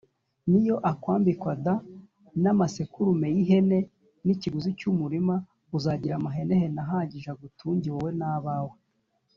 ni yo akwambika d n amasekurume y ihene ni ikiguzi cy umurima uzagira amahenehene ahagije agutunge wowe nabawe